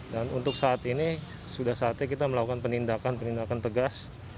dan untuk saat ini sudah saatnya kita melakukan penindakan penindakan pegawai